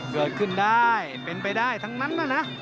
เกิดขึ้นได้เป็นไปได้ทั้งนั้นนะ